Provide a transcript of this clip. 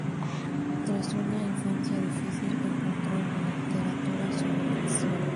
Tras una infancia difícil, encontró en la literatura su vocación.